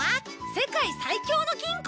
世界最強の金庫！？